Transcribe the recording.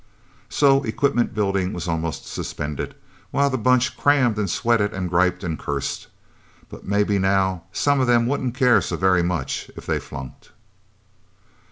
So equipment building was almost suspended, while the Bunch crammed and sweated and griped and cursed. But maybe now some of them wouldn't care so very much if they flunked.